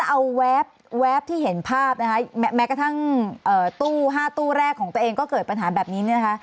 เอาแวบที่เห็นภาพนะคะแม้กระทั่งตู้๕ตู้แรกของตัวเองก็เกิดปัญหาแบบนี้เนี่ยนะคะ